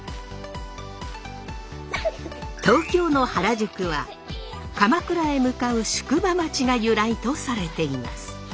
東京の原宿は鎌倉へ向かう宿場町が由来とされています。